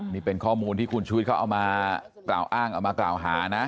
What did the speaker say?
นี่เป็นข้อมูลที่คุณชุวิตเขาเอามากล่าวอ้างเอามากล่าวหานะ